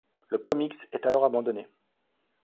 Le comics est alors abandonné.